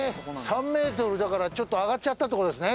３メートルだからちょっと上がっちゃったって事ですね？